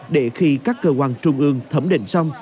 để khi các cơ quan trung ương thẩm định xong